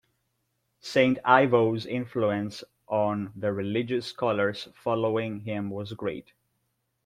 Saint Ivo's influence on the religious scholars following him was great.